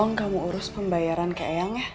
tolong kamu urus pembayaran ke eyang ya